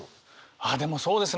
ああでもそうですね